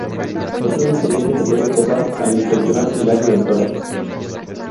Otra diferencia se puede observar al inspeccionar el lado del tórax.